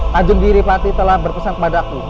tajun diri pati telah berpesan kepadaku